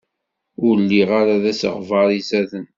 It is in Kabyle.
Ur lliɣ ara d asegbar izaden.